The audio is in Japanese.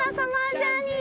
ジャーニー！